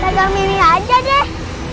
pegang mimi aja deh